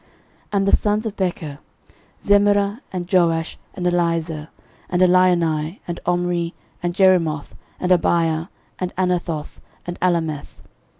13:007:008 And the sons of Becher; Zemira, and Joash, and Eliezer, and Elioenai, and Omri, and Jerimoth, and Abiah, and Anathoth, and Alameth.